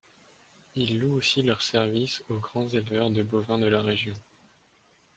Ils louent aussi leurs services aux grands éleveurs de bovins de la région.